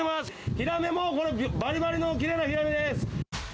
ヒラメもばりばりのきれいなヒラメです。